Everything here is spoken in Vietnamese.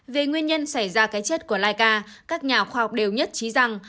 về nguyên nhân xảy ra cái chết của laika các nhà khoa học đều nhất trí rằng